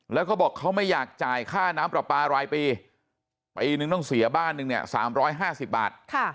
แล้วเขาบอกเขาไม่อยากจ่ายค่าน้ำปลาปลารายปีปีนึงต้องเสียบ้านหนึ่งเนี่ย๓๕๐บาท